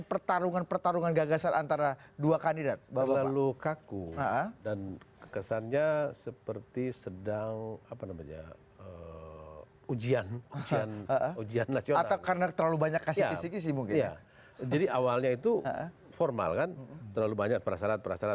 pertanyaan sudah mulai dibuat